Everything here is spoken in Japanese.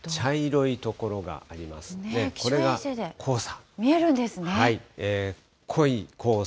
この辺り、茶色い所がありますね、これが黄砂。